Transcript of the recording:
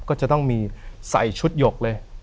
ก็จะต้องมีใส่ชุดหยกเลย